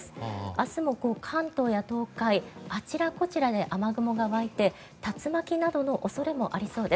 明日も関東や東海あちらこちらで雨雲が湧いて竜巻などの恐れもありそうです。